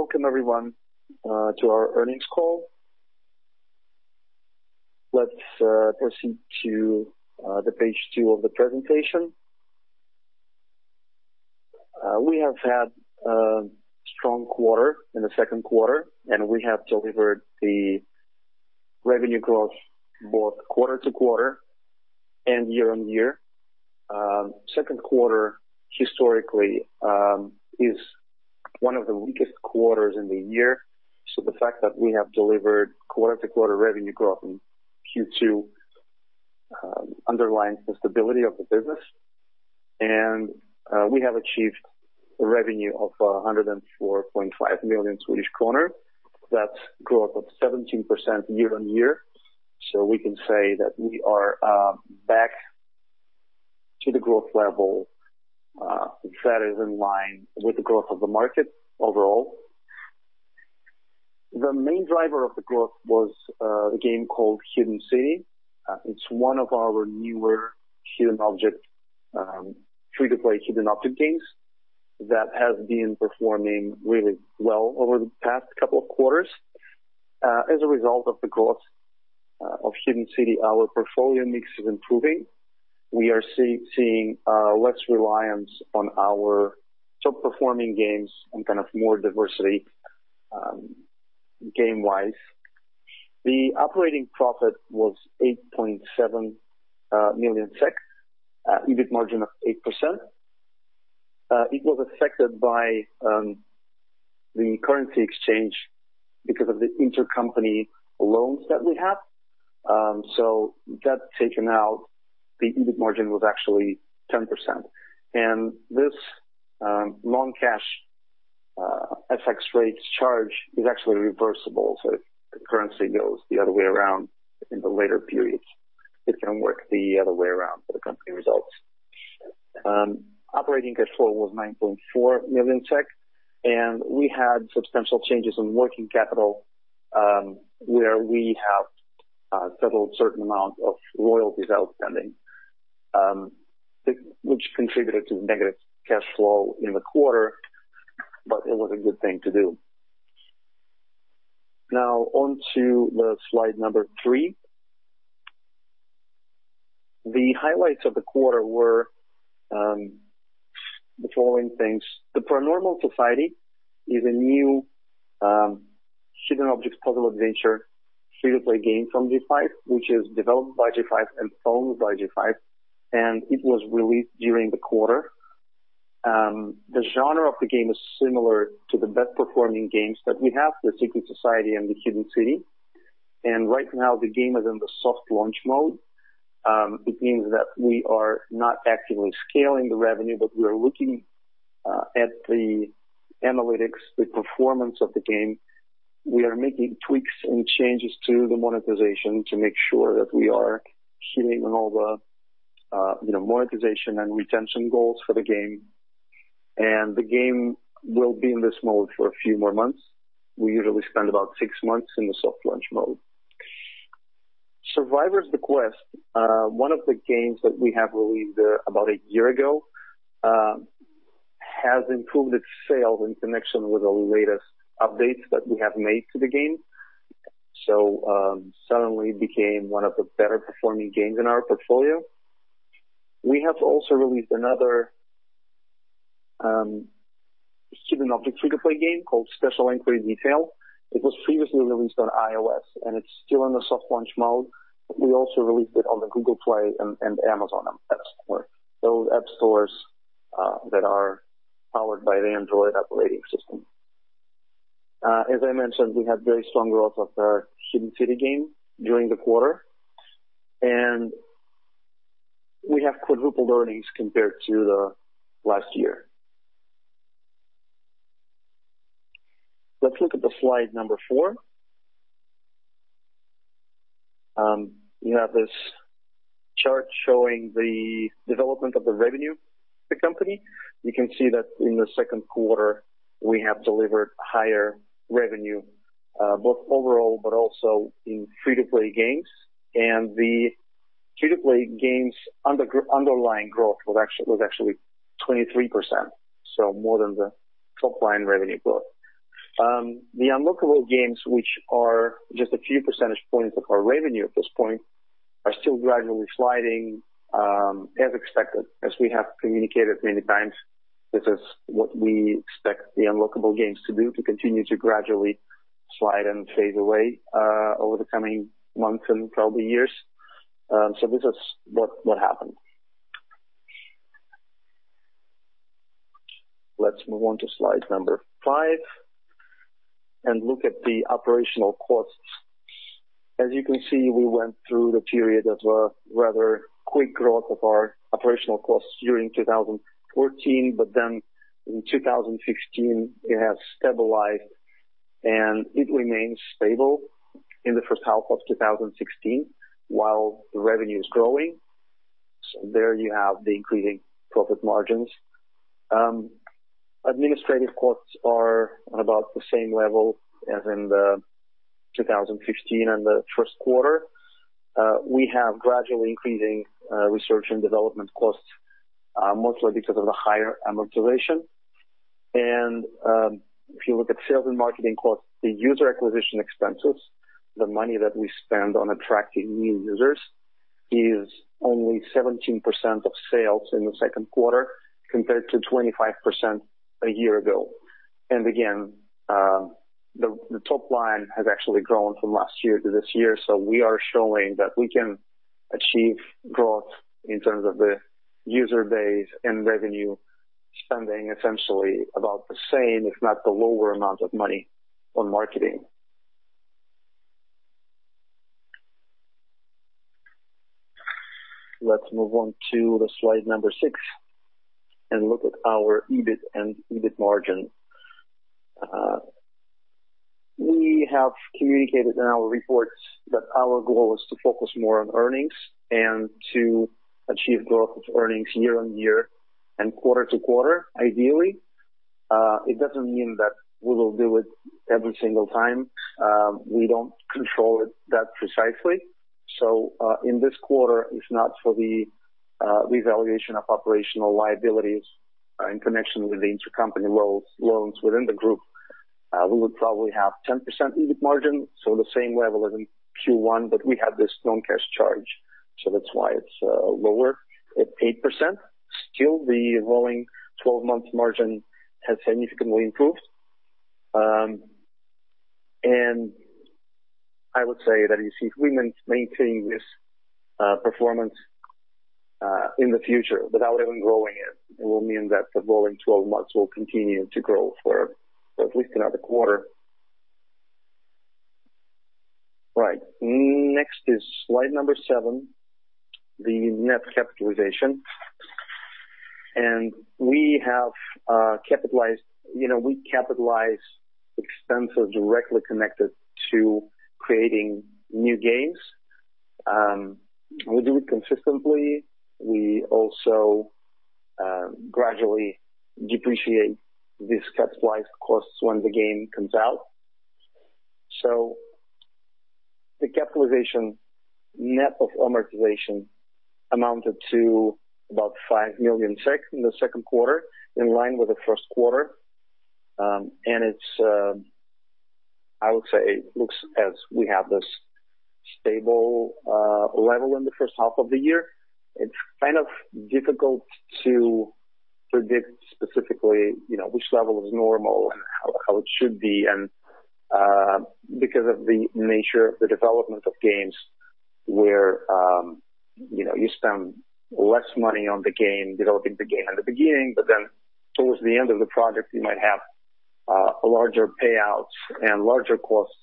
Welcome everyone to our earnings call. Let's proceed to page two of the presentation. We have had a strong quarter in the second quarter. We have delivered the revenue growth both quarter-to-quarter and year-on-year. Second quarter historically is one of the weakest quarters in the year, so the fact that we have delivered quarter-to-quarter revenue growth in Q2 underlines the stability of the business. We have achieved revenue of 104.5 million Swedish kronor. That's growth of 17% year-on-year. We can say that we are back to the growth level that is in line with the growth of the market overall. The main driver of the growth was a game called Hidden City. It's one of our newer hidden object, free-to-play hidden object games that has been performing really well over the past couple of quarters. As a result of the growth of Hidden City, our portfolio mix is improving. We are seeing less reliance on our top-performing games and more diversity game-wise. The operating profit was 8.7 million SEK, EBIT margin of 8%. It was affected by the currency exchange because of the intercompany loans that we have. That taken out, the EBIT margin was actually 10%. This non-cash FX rates charge is actually reversible, so if the currency goes the other way around in the later periods, it can work the other way around for the company results. Operating cash flow was 9.4 million. We had substantial changes in working capital, where we have settled a certain amount of royalties outstanding, which contributed to negative cash flow in the quarter, but it was a good thing to do. Now on to slide number three. The highlights of the quarter were the following things. The Paranormal Society is a new hidden object puzzle adventure, free-to-play game from G5, which is developed by G5 and owned by G5, and it was released during the quarter. The genre of the game is similar to the best-performing games that we have, The Secret Society and Hidden City. Right now the game is in the soft launch mode. It means that we are not actively scaling the revenue, but we are looking at the analytics, the performance of the game. We are making tweaks and changes to the monetization to make sure that we are hitting all the monetization and retention goals for the game. The game will be in this mode for a few more months. We usually spend about six months in the soft launch mode. Survivors: The Quest, one of the games that we have released about a year ago has improved its sales in connection with the latest updates that we have made to the game. Suddenly became one of the better-performing games in our portfolio. We have also released another hidden object free-to-play game called Special Enquiry Detail. It was previously released on iOS, and it's still in the soft launch mode, but we also released it on the Google Play and Amazon Appstore, those app stores that are powered by the Android operating system. As I mentioned, we had very strong growth of our Hidden City game during the quarter. We have quadrupled earnings compared to the last year. Let's look at slide number four. You have this chart showing the development of the revenue of the company. You can see that in the second quarter, we have delivered higher revenue, both overall but also in free-to-play games. The free-to-play games underlying growth was actually 23%, so more than the top-line revenue growth. The unlockable games, which are just a few percentage points of our revenue at this point, are still gradually sliding as expected. As we have communicated many times, this is what we expect the unlockable games to do, to continue to gradually slide and fade away over the coming months and probably years. This is what happened. Let's move on to slide number five and look at the operational costs. As you can see, we went through the period of a rather quick growth of our operational costs during 2014, in 2015, it has stabilized, and it remains stable in the first half of 2016 while the revenue is growing. There you have the increasing profit margins. Administrative costs are about the same level as in the 2015 and the first quarter. We have gradually increasing research and development costs mostly because of the higher amortization. If you look at sales and marketing costs, the user acquisition expenses, the money that we spend on attracting new users is only 17% of sales in the second quarter compared to 25% a year ago. Again, the top line has actually grown from last year to this year, we are showing that we can achieve growth in terms of the user base and revenue spending essentially about the same, if not the lower amount of money on marketing. Let's move on to the slide number six and look at our EBIT and EBIT margin. We have communicated in our reports that our goal is to focus more on earnings and to achieve growth of earnings year-over-year and quarter-to-quarter, ideally. It doesn't mean that we will do it every single time. We don't control it that precisely. In this quarter, if not for the revaluation of operational liabilities in connection with the intercompany loans within the group, we would probably have 10% EBIT margin, the same level as in Q1, we have this non-cash charge, that's why it's lower at 8%. Still, the rolling 12-month margin has significantly improved. I would say that you see if we maintain this performance in the future without even growing it will mean that the rolling 12 months will continue to grow for at least another quarter. Right. Next is slide number seven, the net capitalization. We capitalize expenses directly connected to creating new games. We do it consistently. We also gradually depreciate these capitalized costs when the game comes out. The capitalization net of amortization amounted to about 5 million SEK in the second quarter, in line with the first quarter. I would say it looks as we have this stable level in the first half of the year. It's kind of difficult to predict specifically which level is normal and how it should be and because of the nature of the development of games where you spend less money on the game, developing the game at the beginning, towards the end of the project, you might have larger payouts and larger costs.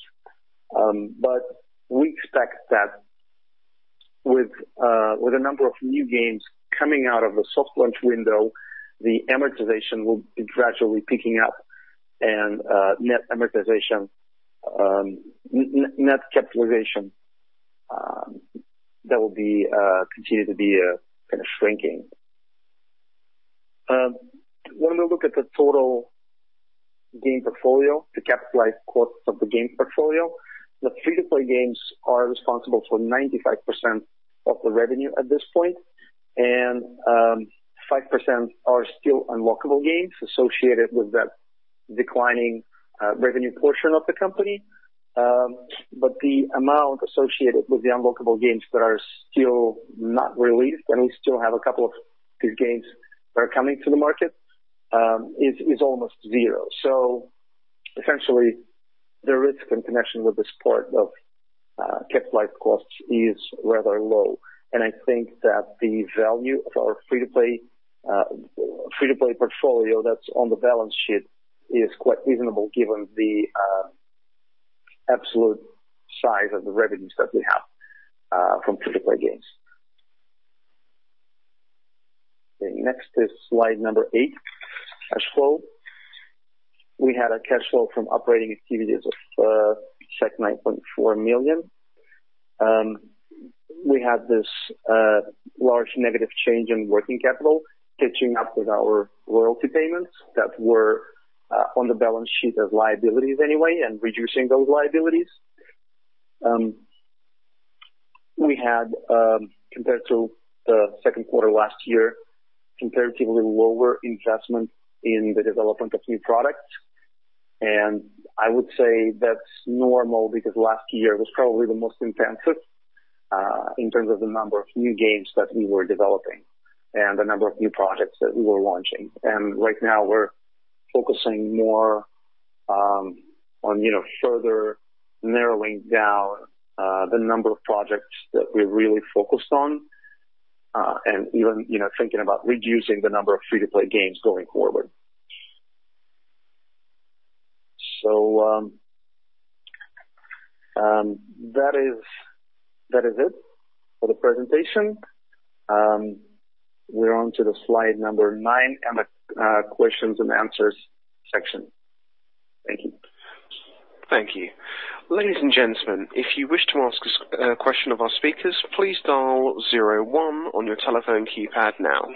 We expect that with a number of new games coming out of the soft launch window, the amortization will be gradually picking up and net capitalization, that will continue to be kind of shrinking. When we look at the total game portfolio, the capitalized cost of the game portfolio, the free-to-play games are responsible for 95% of the revenue at this point, and 5% are still unlockable games associated with that declining revenue portion of the company. The amount associated with the unlockable games that are still not released, and we still have a couple of these games that are coming to the market, is almost zero. Essentially, the risk in connection with this part of capitalized costs is rather low. I think that the value of our free-to-play portfolio that's on the balance sheet is quite reasonable given the absolute size of the revenues that we have from free-to-play games. Okay. Next is slide number eight, cash flow. We had a cash flow from operating activities of 9.4 million. We had this large negative change in working capital catching up with our royalty payments that were on the balance sheet as liabilities anyway and reducing those liabilities. We had compared to the second quarter last year, comparatively lower investment in the development of new products. I would say that's normal because last year was probably the most intensive in terms of the number of new games that we were developing and the number of new projects that we were launching. Right now, we're focusing more on further narrowing down the number of projects that we're really focused on, and even thinking about reducing the number of free-to-play games going forward. That is it for the presentation. We're on to the slide number nine and the questions and answers section. Thank you. Thank you. Ladies and gentlemen, if you wish to ask a question of our speakers, please dial zero one on your telephone keypad now.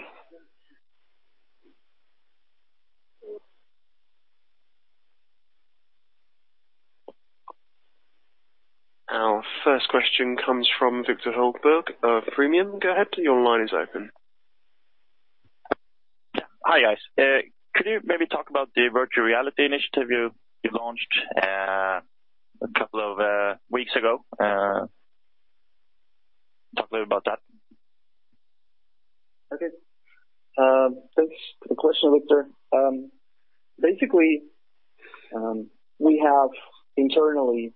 Our first question comes from Viktor Holmberg of Redeye. Go ahead. Your line is open. Hi, guys. Could you maybe talk about the virtual reality initiative you launched a couple of weeks ago? Talk a little about that. Okay. Thanks for the question, Viktor. Basically, we have internally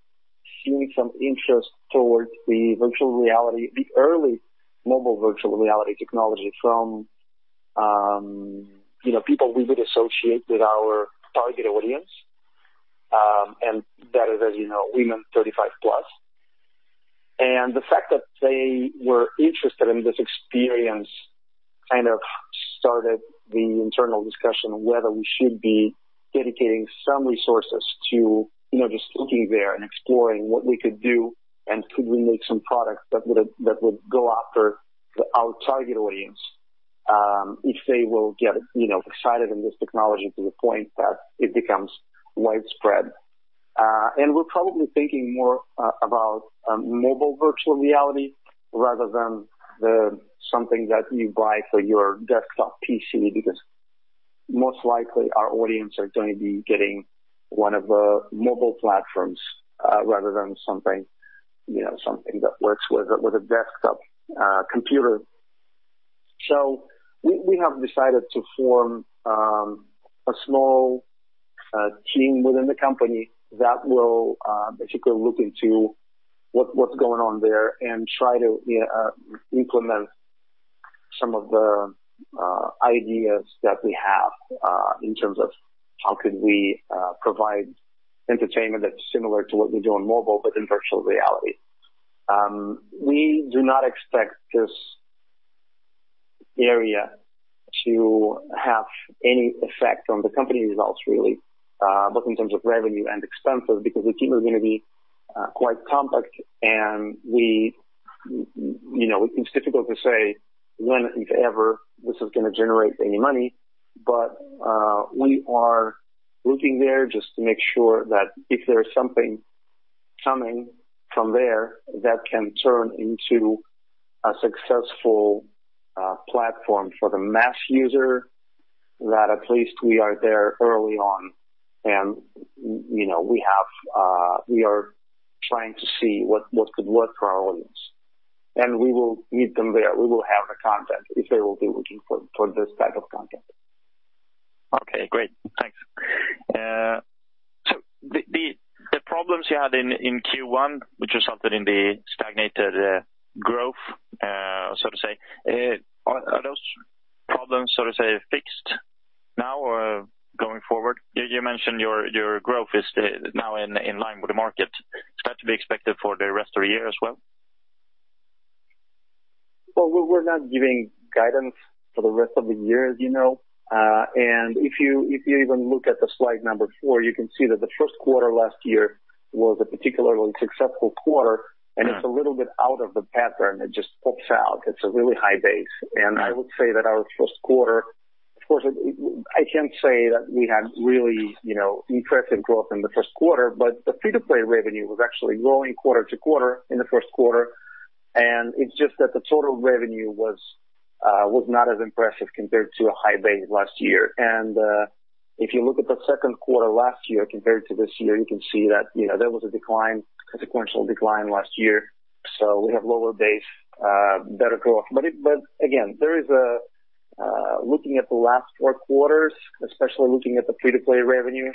seen some interest towards the virtual reality, the early mobile virtual reality technology from people we would associate with our target audience, and that is, as you know, women 35 plus. The fact that they were interested in this experience kind of started the internal discussion on whether we should be dedicating some resources to just looking there and exploring what we could do, and could we make some products that would go after our target audience, if they will get excited in this technology to the point that it becomes widespread. We're probably thinking more about mobile virtual reality rather than something that you buy for your desktop PC, because most likely our audience are going to be getting one of the mobile platforms rather than something that works with a desktop computer. We have decided to form a small team within the company that will basically look into what's going on there and try to implement some of the ideas that we have in terms of how could we provide entertainment that's similar to what we do on mobile, but in virtual reality. We do not expect this area to have any effect on the company results, really, both in terms of revenue and expenses, because the team is going to be quite compact, and it's difficult to say when, if ever, this is going to generate any money. We are looking there just to make sure that if there is something coming from there that can turn into a successful platform for the mass user, that at least we are there early on, and we are trying to see what could work for our audience. We will meet them there. We will have the content if they will be looking for this type of content. Okay, great. Thanks. The problems you had in Q1, which resulted in the stagnated growth, so to say, are those problems, so to say, fixed now or going forward? You mentioned your growth is now in line with the market. Is that to be expected for the rest of the year as well? Well, we're not giving guidance for the rest of the year, as you know. If you even look at the slide number four, you can see that the first quarter last year was a particularly successful quarter, and it's a little bit out of the pattern. It just pops out. It's a really high base. I would say that our first quarter, of course, I can't say that we had really impressive growth in the first quarter, but the free-to-play revenue was actually growing quarter-to-quarter in the first quarter, and it's just that the total revenue was not as impressive compared to a high base last year. If you look at the second quarter last year compared to this year, you can see that there was a consequential decline last year. We have lower base, better growth. Again, looking at the last four quarters, especially looking at the free-to-play revenue,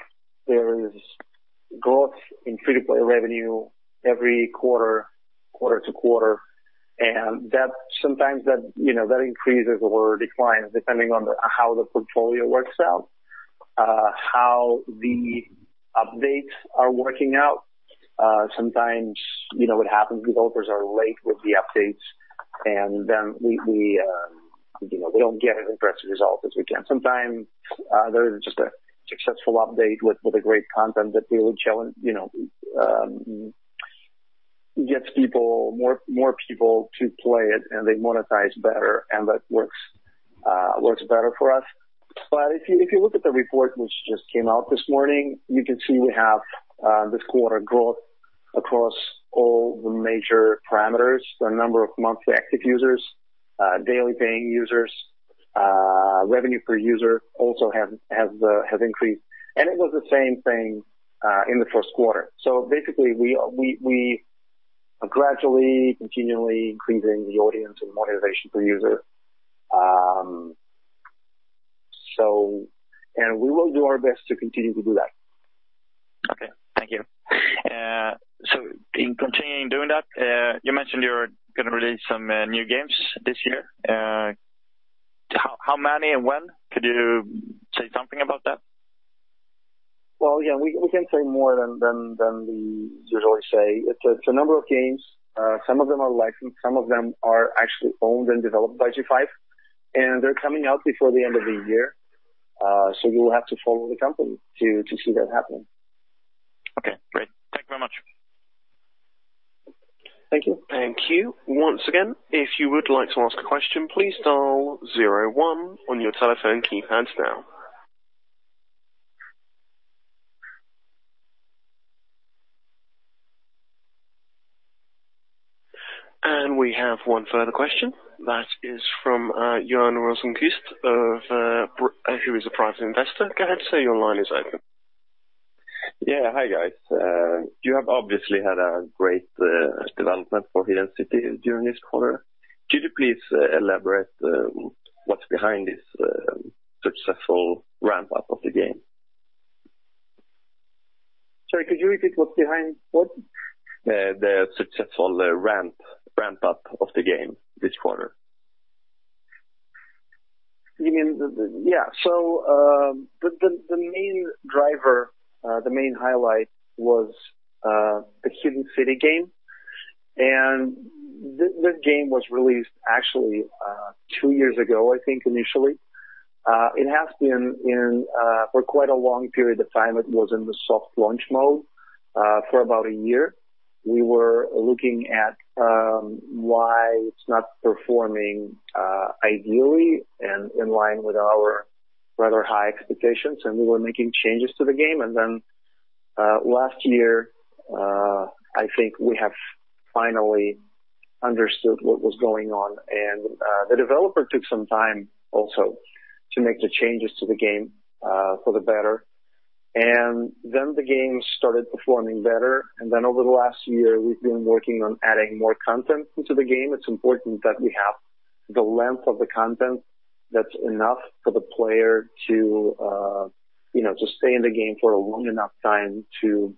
there is growth in free-to-play revenue every quarter-to-quarter, and sometimes that increases or declines depending on how the portfolio works out, how the updates are working out. Sometimes what happens, developers are late with the updates, and then we don't get an impressive result as we can. Sometimes there is just a successful update with a great content that gets more people to play it, and they monetize better, and that works better for us. If you look at the report which just came out this morning, you can see we have this quarter growth across all the major parameters. The number of monthly active users, daily paying users, revenue per user also has increased, and it was the same thing in the first quarter. Basically, we are gradually, continually increasing the audience and monetization per user. We will do our best to continue to do that. Okay. Thank you. In continuing doing that, you mentioned you're going to release some new games this year. How many and when? Could you say something about that? Well, again, we can't say more than we usually say. It's a number of games. Some of them are licensed, some of them are actually owned and developed by G5, and they're coming out before the end of the year. You will have to follow the company to see that happen. Okay, great. Thank you. Thank you. Once again, if you would like to ask a question, please dial zero one on your telephone keypads now. We have one further question. That is from Johan Rosenquist, who is a private investor. Go ahead, sir, your line is open. Yeah. Hi, guys. You have obviously had a great development for Hidden City during this quarter. Could you please elaborate what's behind this successful ramp-up of the game? Sorry, could you repeat what's behind what? The successful ramp-up of the game this quarter. Yeah. The main driver, the main highlight was the Hidden City game. That game was released actually, two years ago, I think, initially. It has been in, for quite a long period of time, it was in the soft launch mode, for about a year. We were looking at why it's not performing ideally and in line with our rather high expectations, we were making changes to the game. Last year, I think we have finally understood what was going on. The developer took some time also to make the changes to the game, for the better. The game started performing better, over the last year, we've been working on adding more content into the game. It's important that we have the length of the content that's enough for the player to stay in the game for a long enough time to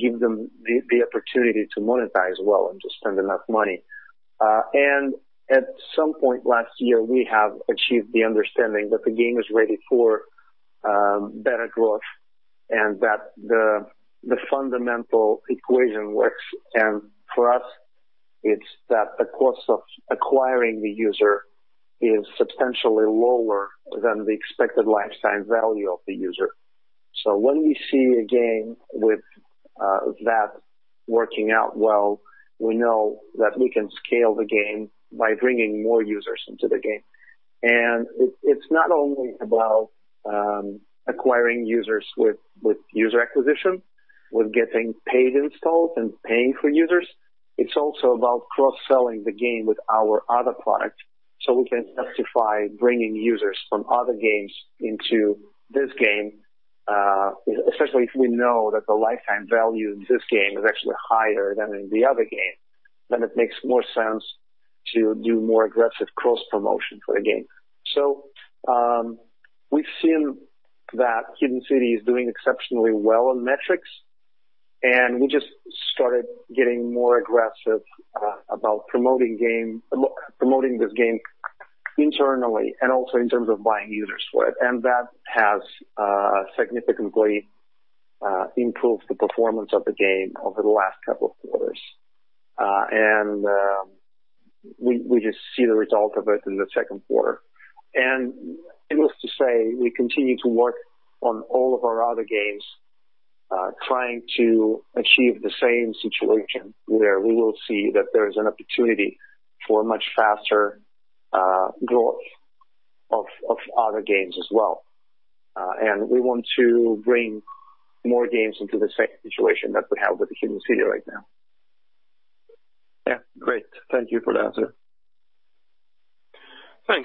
give them the opportunity to monetize well and to spend enough money. At some point last year, we have achieved the understanding that the game is ready for better growth and that the fundamental equation works. For us, it's that the cost of acquiring the user is substantially lower than the expected lifetime value of the user. When we see a game with that working out well, we know that we can scale the game by bringing more users into the game. It's not only about acquiring users with user acquisition, with getting paid installs and paying for users. It's also about cross-selling the game with our other products so we can justify bringing users from other games into this game, especially if we know that the lifetime value in this game is actually higher than in the other game, then it makes more sense to do more aggressive cross-promotion for the game. We've seen that Hidden City is doing exceptionally well on metrics, we just started getting more aggressive about promoting this game internally and also in terms of buying users for it. That has significantly improved the performance of the game over the last couple of quarters. We just see the result of it in the second quarter. Needless to say, we continue to work on all of our other games, trying to achieve the same situation where we will see that there's an opportunity for much faster growth of other games as well. We want to bring more games into the same situation that we have with the Hidden City right now. Yeah, great. Thank you for the answer. Thanks.